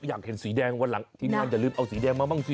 อยากเห็นสีแดงวันหลังทีมงานอย่าลืมเอาสีแดงมาบางที